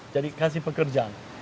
jadi kasih pekerjaan